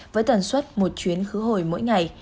với tần suất một chuyến khứ hồi mỗi ngày